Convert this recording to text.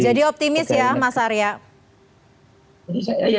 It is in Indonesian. jadi optimis ya mas arya